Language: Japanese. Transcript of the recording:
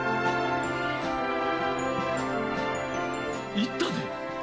行ったで。